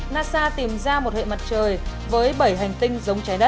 nasa tìm ra một hệ mặt trời với bảy hành tinh giống trái đất